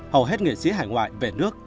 hầu hết nghệ sĩ hải ngoại về nước